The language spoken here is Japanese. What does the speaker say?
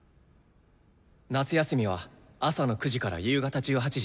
夏休みは朝の９時から夕方１８時。